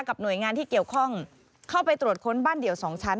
หน่วยงานที่เกี่ยวข้องเข้าไปตรวจค้นบ้านเดี่ยวสองชั้น